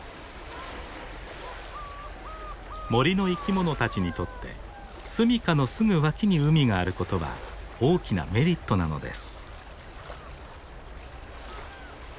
森の生き物たちにとって住みかのすぐ脇に海があることは大きなメリットなのです。